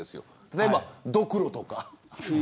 例えば、どくろとか。